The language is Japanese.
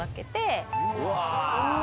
うわ！